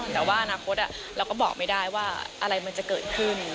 แต่ว่าอนาคตเราก็บอกไม่ได้ว่าอะไรมันจะเกิดขึ้น